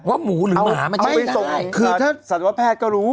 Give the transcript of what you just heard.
ว่าหมูหรือหมามันใช่ได้เอาไปส่งสัตวแพทย์ก็รู้